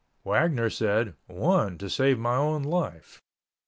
Wagner said, "One, to save my own life."